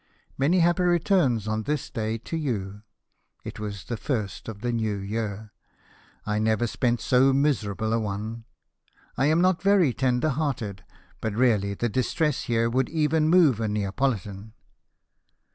Many happy returns of this day to you (it was the first of the new year), I never spent so miserable a one. I am not very tender hearted, but really the distress here would even move a Neapolitan."